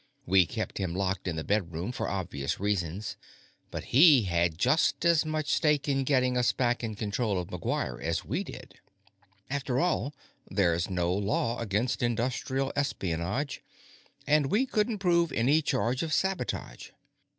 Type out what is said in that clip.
We kept him locked in the bedroom for obvious reasons, but he had just as much stake in getting us back in control of McGuire as we did. After all, there's no law against industrial espionage, and we couldn't prove any charge of sabotage.